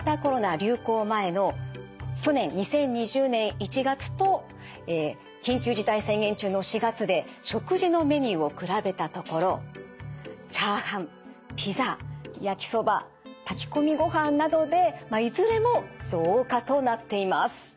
流行前の去年２０２０年１月と緊急事態宣言中の４月で食事のメニューを比べたところチャーハンピザ焼きそば炊き込みご飯などでいずれも増加となっています。